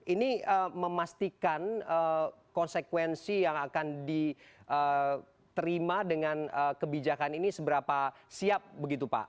ini memastikan konsekuensi yang akan diterima dengan kebijakan ini seberapa siap begitu pak